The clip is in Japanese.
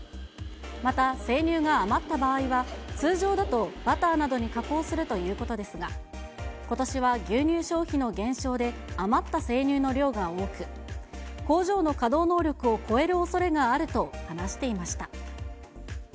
また、生乳が余った場合は、通常だとバターなどに加工するということですが、ことしは牛乳消費の減少で、余った生乳の量が多く、工場の稼働能力を超えるおそれがあると話していました。